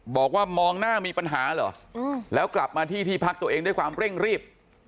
บอกว่ามองหน้ามีปัญหาเหรอแล้วกลับมาที่ที่พักตัวเองด้วยความเร่งรีบ